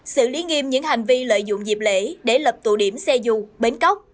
xử lý nghiêm những hành vi lợi dụng dịp lễ để lập tụ điểm xe dù bến cóc